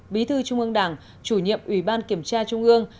bí thư trung ương đảng chủ nhiệm ủy ban kiểm tra trung ương